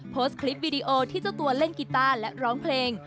โพสต์คลิปวิดีโอที่เจ้าตัวเล่นกีต้าและร้องเพลง